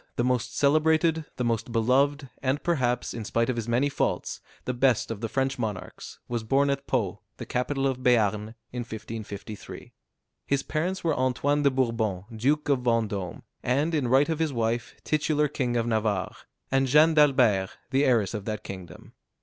the most celebrated, the most beloved, and perhaps, in spite of his many faults, the best of the French monarchs, was born at Pau, the capital of Béarn, in 1553. His parents were Antoine de Bourbon, Duke of Vendôme, and in right of his wife, titular king of Navarre, and Jeanne d'Albert, the heiress of that kingdom.